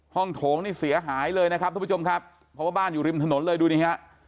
โถงนี่เสียหายเลยนะครับทุกผู้ชมครับเพราะว่าบ้านอยู่ริมถนนเลยดูนี่ฮะ